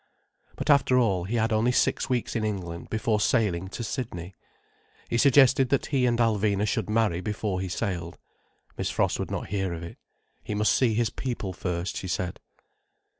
But after all, he had only six weeks in England, before sailing to Sydney. He suggested that he and Alvina should marry before he sailed. Miss Frost would not hear of it. He must see his people first, she said.